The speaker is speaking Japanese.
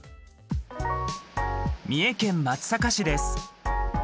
三重県松阪市です。